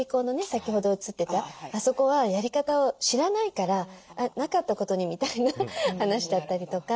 先ほど映ってたあそこはやり方を知らないからなかったことにみたいな話だったりとか。